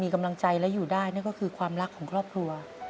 กำลังใจและอยู่ได้นั่นก็คือความรักของครอบครัว